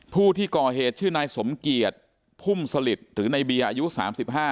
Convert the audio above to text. ผู้ที่ก่อเหตุชื่อนายสมเกียจพุ่มสลิดหรือในเบียร์อายุสามสิบห้า